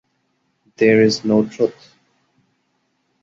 There is no truth.